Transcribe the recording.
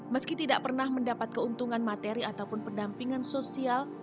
meski tidak pernah mendapat keuntungan materi ataupun pendampingan sosial